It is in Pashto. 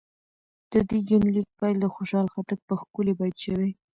د دې يونليک پيل د خوشحال خټک په ښکلي بېت شوې